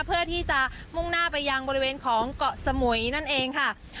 เพื่อที่จะมุ่งหน้าไปยังบริเวณของเกาะสมุยนั่นเองค่ะ